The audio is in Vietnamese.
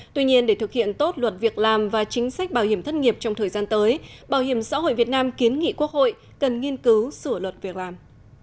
tuy nhiên để thực hiện tốt luật việc làm và chính sách bảo hiểm thất nghiệp trong thời gian tới bảo hiểm xã hội việt nam kiến nghị quốc hội cần nghiên cứu sửa luật việc làm